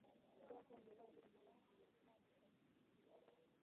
iby’abakunzi bacu muba mwadusabye.